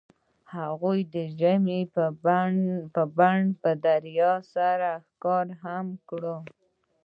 هغوی د ژمنې په بڼه دریا سره ښکاره هم کړه.